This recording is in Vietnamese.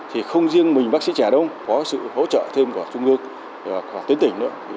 thì không riêng mình bác sĩ trẻ đâu có sự hỗ trợ thêm của trung ương của tuyến tỉnh nữa